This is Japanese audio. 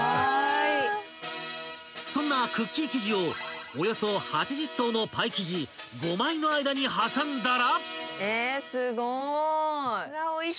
［そんなクッキー生地をおよそ８０層のパイ生地５枚の間に挟んだら］